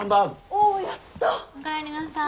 おやった！